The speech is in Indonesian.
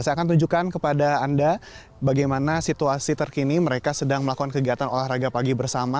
saya akan tunjukkan kepada anda bagaimana situasi terkini mereka sedang melakukan kegiatan olahraga pagi bersama